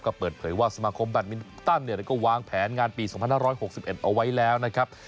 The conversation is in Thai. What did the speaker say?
ก็เปิดเผยว่าสมาคมแบตมินตันเนี่ยก็วางแผนงานปีสองพันห้าร้อยหกสิบเอ็ดเอาไว้แล้วนะครับ